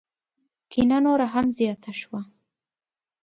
کینه نوره هم زیاته شوه.